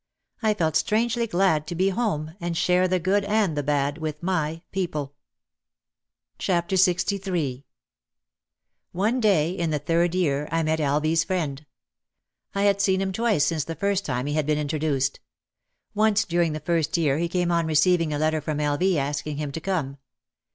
I felt strange ly glad to be home and share the good and the bad with my people. 306 OUT OF THE SHADOW LXIII One day in the third year I met L. V.'s friend. I had seen him twice since the first time he had been in troduced. Once during the first year he came on receiving a letter from L. V. asking him to come.